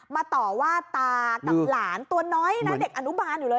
ต่อว่าตากับหลานตัวน้อยนะเด็กอนุบาลอยู่เลย